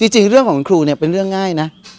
จริงเรื่องของคุณครูเนี่ยเป็นเรื่องง่ายนะ